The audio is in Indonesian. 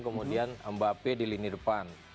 kemudian mbappe di lini depan